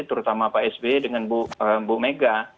terutama pak s b dengan bu mega